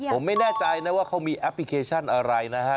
ผมไม่แน่ใจนะว่าเขามีแอปพลิเคชันอะไรนะฮะ